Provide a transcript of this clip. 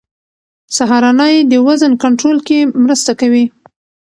سهارنۍ د وزن کنټرول کې مرسته کوي.